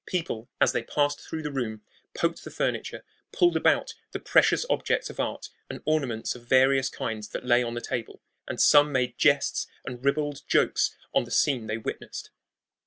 People, as they passed through the room, poked the furniture, pulled about the precious objects of art and ornaments of various kinds that lay on the table; and some made jests and ribald jokes on the scene they witnessed.